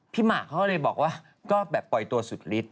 หมากเขาก็เลยบอกว่าก็แบบปล่อยตัวสุดฤทธ